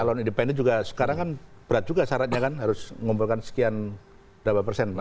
calon independen juga sekarang kan berat juga syaratnya kan harus mengumpulkan sekian berapa persen